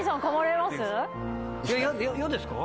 嫌ですか？